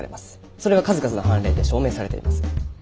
それは数々の判例で証明されています。